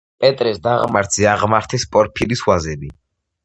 პეტრეს დაღმართზე აღმართეს პორფირის ვაზები.